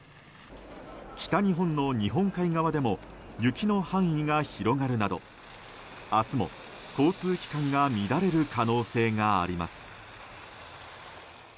北日本の日本海側でも雪の範囲が広がるなど明日も交通機関が乱れる可能性があります。